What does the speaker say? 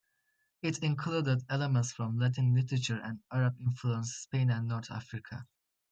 It included elements from Latin literature and Arab-influenced Spain and North Africa.